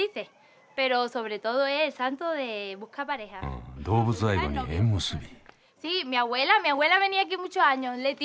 うん動物愛護に縁結び。